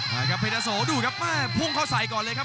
มาครับเพดาโสดูครับแม่พุ่งเข้าใส่ก่อนเลยครับ